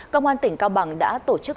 công an tỉnh cao bằng đã tổ chức